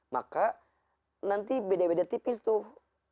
maka nanti beda beda tipis tuh